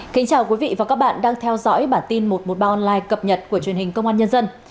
kính chào quý vị và các bạn đang theo dõi bản tin một trăm một mươi ba online cập nhật của truyền hình công an nhân dân